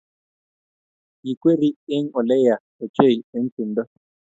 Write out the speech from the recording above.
Kikweri eng oleyaa ochei eng tumdo